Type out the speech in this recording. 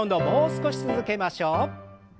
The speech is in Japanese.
もう少し続けましょう。